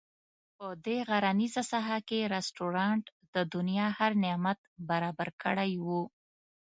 په دې غرنیزه ساحه کې رسټورانټ د دنیا هر نعمت برابر کړی وو.